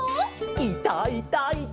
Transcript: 「いたいたいた！」